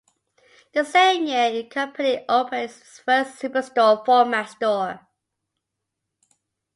The same year, the company opened its first superstore format store.